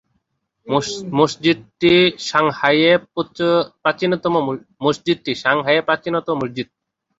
মসজিদটি সাংহাইয়ের প্রাচীনতম মসজিদ।